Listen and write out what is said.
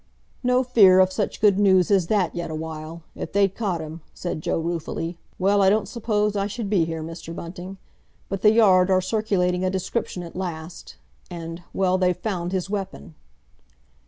"No fear of such good news as that yet awhile. If they'd caught him," said Joe ruefully, "well, I don't suppose I should be here, Mr. Bunting. But the Yard are circulating a description at last. And—well, they've found his weapon!"